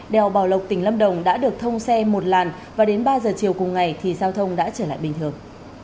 đèo bảo lộc tỉnh lâm đồng đã được thông xe một làn và đến ba giờ chiều cùng ngày thì giao thông đã trở lại bình thường